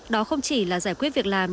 đó không chỉ là giải quyết việc làm